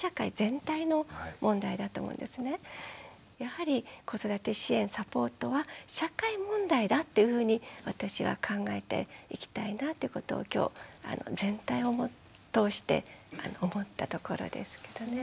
やはり子育て支援サポートは社会問題だっていうふうに私は考えていきたいなっていうことを今日全体を通して思ったところですけどね。